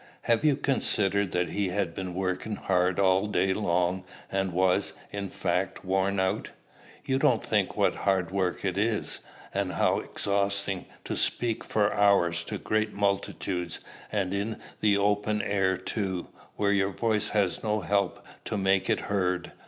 Have you considered that he had been working hard all day long, and was, in fact, worn out? You don't think what hard work it is, and how exhausting, to speak for hours to great multitudes, and in the open air too, where your voice has no help to make it heard.